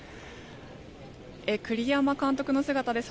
栗山監督の姿です。